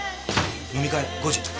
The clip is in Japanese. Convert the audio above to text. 飲み会５時ああ！